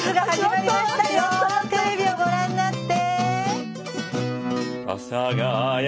テレビをご覧になって。